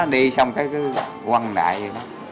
đi xong cứ quăng đại vậy đó